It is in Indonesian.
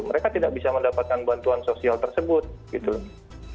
mereka tidak bisa mendapatkan bantuan sosial tersebut gitu loh